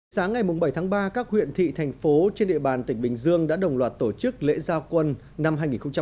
sáng ngày bảy tháng ba các huyện thị thành phố trên địa bàn tỉnh bình dương đã đồng loạt tổ chức lễ giao quân năm hai nghìn hai mươi